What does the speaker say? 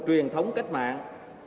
truyền thống cách mạng